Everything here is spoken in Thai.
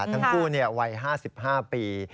ทั้งคู่เนี่ยวัย๕๕ปี